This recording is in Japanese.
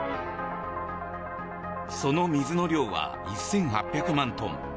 その水の量は１８００万トン。